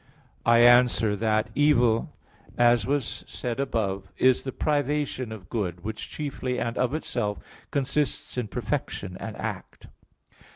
I answer that, Evil, as was said above (A. 3), is the privation of good, which chiefly and of itself consists in perfection and act.